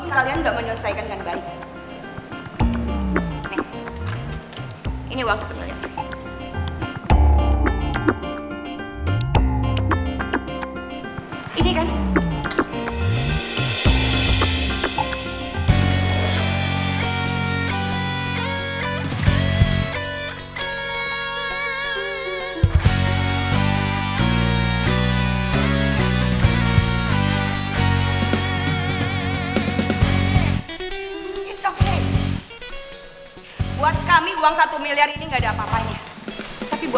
sebentar datang dan lalu pergi